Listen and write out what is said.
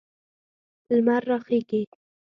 لمر راخیږي